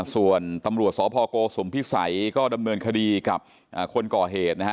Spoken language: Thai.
ส่วนตำรวจสพโกสุมพิสัยก็ดำเนินคดีกับคนก่อเหตุนะฮะ